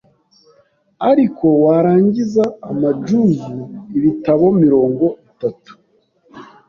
ariko warangiza amadjuzu, ibitabo mirongo itatu